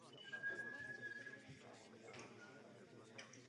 Zajímavostí této jeskyně je také podzemní vodopád.